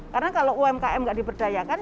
karena kalau umkm tidak diberdayakan